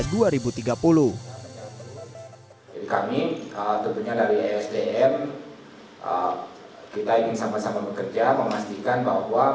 kami tentunya dari esdm kita ingin sama sama bekerja memastikan bahwa